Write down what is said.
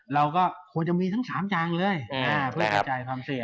แล้วก็ควรจะมีทั้ง๓จางเลยเพื่อกระจายความเฉียน